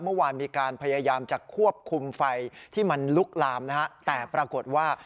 เมื่อวานมีการพยายามจะควบคุมไฟที่มันลุกลามนะฮะแต่ปรากฏว่า